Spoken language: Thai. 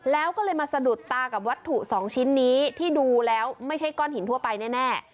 แล้วก็เลยมาสะดุดตากับวัตถุสองชิ้นนี้ที่ดูแล้วไม่ใช่ก้อนหินทั่วไปแน่